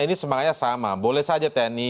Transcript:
ini semangatnya sama boleh saja tni